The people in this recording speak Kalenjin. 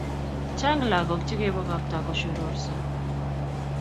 Chang lakok che ke pakaktaa koshororso